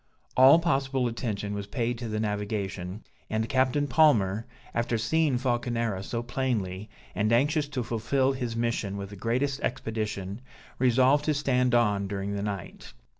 All possible attention was paid to the navigation, and Captain Palmer, after seeing Falconera so plainly, and anxious to fulfil his mission with the greatest expedition, resolved to stand on during the night.